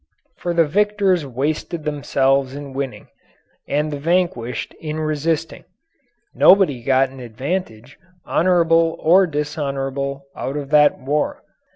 For the victors wasted themselves in winning, and the vanquished in resisting. Nobody got an advantage, honourable or dishonourable, out of that war.